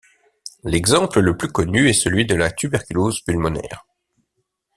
L’exemple le plus connu est celui de la tuberculose pulmonaire.